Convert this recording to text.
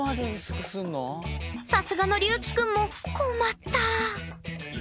さすがのりゅうきくんも困った！